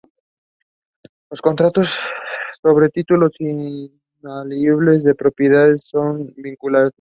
Los contratos sobre títulos inalienables de propiedad no son vinculantes.